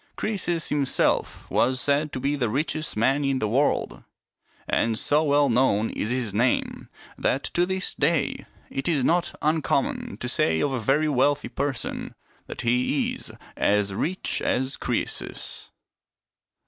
Croe sus himself was said to be the richest man in the world ; and so well known is his name that, to this day, it is not uncommon to say of a very wealthy person that he is " as rich as Croesus."